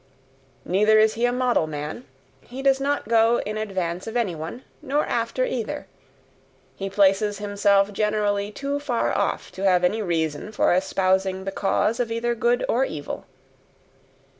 Neither is he a model man; he does not go in advance of any one, nor after, either; he places himself generally too far off to have any reason for espousing the cause of either good or evil.